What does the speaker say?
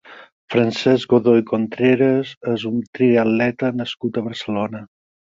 Francesc Godoy Contreras és un triatleta nascut a Barcelona.